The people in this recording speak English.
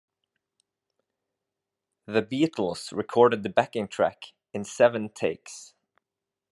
The Beatles recorded the backing track in seven takes.